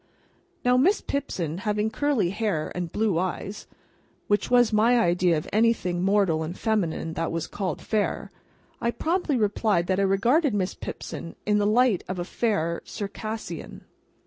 Now, Miss Pipson, having curly hair and blue eyes (which was my idea of anything mortal and feminine that was called Fair), I promptly replied that I regarded Miss Pipson in the light of a Fair Circassian.